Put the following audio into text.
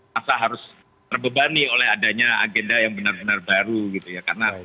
masa harus terbebani oleh adanya agenda yang benar benar baru gitu ya